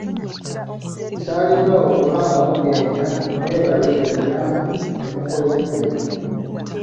Nsaaliddwa okulaba nga mugenda, mwebale byonna bye mukoze muno.